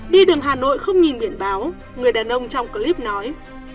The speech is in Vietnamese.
đi đường hà nội không nhìn biển báo người đàn ông trong clip nói